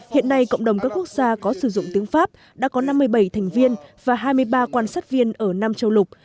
hiện nay cộng đồng các quốc gia có sử dụng tiếng pháp đã có năm mươi bảy thành viên và hai mươi ba quan sát viên ở năm châu lục